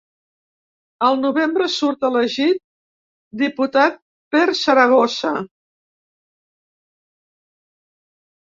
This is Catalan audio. Al novembre surt elegit diputat per Saragossa.